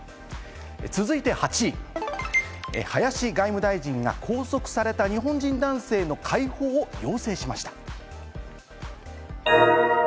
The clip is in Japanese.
続いて８位、林外務大臣が拘束された日本人男性の解放を要請しました。